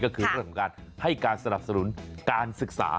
ก็คือการให้การสนับสนุนการศึกษา